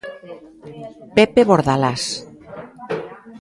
Pepe Bordalás.